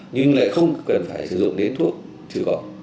nhưng lại không cần phải sử dụng đến thuốc trừ cỏ